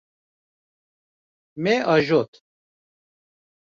Me ajot.